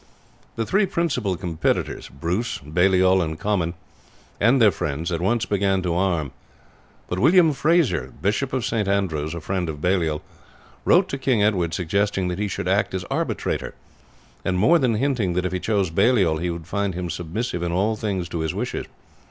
The three principal competitors Bruce, Baliol, and Comyn and their friends, at once began to arm; but William Fraser, Bishop of St. Andrews, a friend of Baliol, wrote to King Edward suggesting that he should act as arbitrator, and more than hinting that if he chose Baliol he would find him submissive in all things to his wishes.